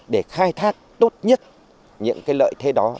để khai thác tốt nhất những cái lợi thế đó